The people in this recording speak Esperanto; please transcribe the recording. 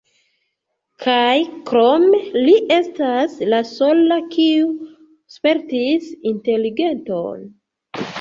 Kaj krome, li estas la sola kiu spertis inteligenton.